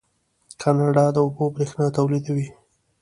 کاناډا د اوبو بریښنا تولیدوي.